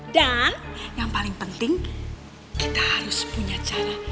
dan yang paling penting kita harus punya cara